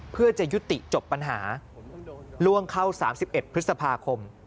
เพื่อจะยุติจบปัญหาล่วงเข้า๓๑พฤษภาคม